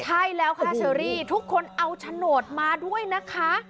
ใช่แล้วค่ะเชอรี่ทุกคนเอาโฉนดมาด้วยนะคะ